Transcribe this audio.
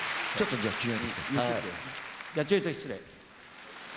じゃあちょいと失礼。